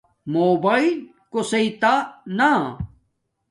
موباݵل کوسݵ تانا